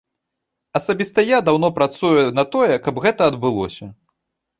Асабіста я даўно працую на тое, каб гэта адбылося.